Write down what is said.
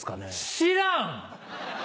知らん！